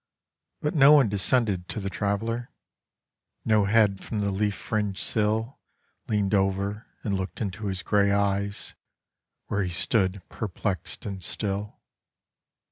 But no one descended to the Traveler; No head from the leaf fringed sill Leaned over and looked into his gray eyes, Where he stood perplexed and still.